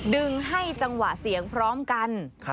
ดึงให้จังหวะเสียงพร้อมกัน